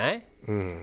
うん。